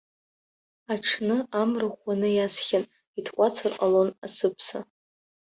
Аҽны амра ӷәӷәаны иасхьан, итҟәацыр ҟалон асыԥса.